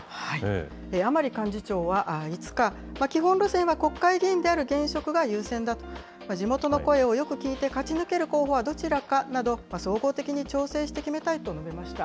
甘利幹事長は、５日、基本路線は国会議員である現職が優先だ、地元の声をよく聞いて、勝ち抜ける候補はどちらかなど、総合的に調整して決めたいと述べました。